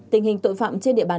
tình hình tội phạm trên địa bàn